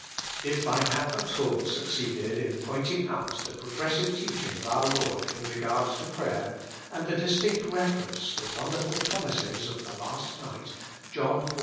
If I have at all succeeded in pointing out the progressive teaching of our Lord in regard to prayer, and the distinct refer ence the wonderful promises of the last night (John xiv.